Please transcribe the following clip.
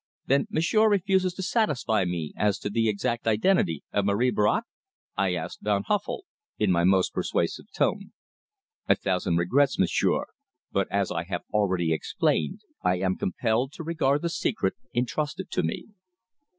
"Then m'sieur refuses to satisfy me as to the exact identity of Marie Bracq?" I asked Van Huffel in my most persuasive tone. "A thousand regrets, m'sieur, but as I have already explained, I am compelled to regard the secret entrusted to me."